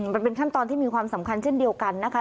มันเป็นขั้นตอนที่มีความสำคัญเช่นเดียวกันนะคะ